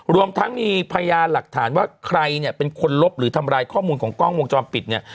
รวมทั้งมีพยานหลักฐานว่าใครเนี่ยเป็นคนลบหรือทำลายข้อมูลของกล้องวงจรปิดเนี่ย